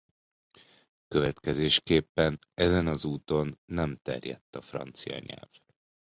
Következésképpen ezen az úton nem terjedt a francia nyelv.